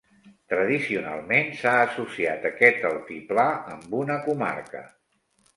Tradicionalment s'ha associat aquest altiplà amb una comarca.